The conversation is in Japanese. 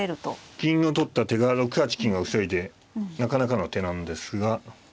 銀を取った手が６八金が防いでなかなかの手なんですが。